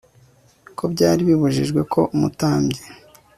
ko byari bibujijwe ko umutambyi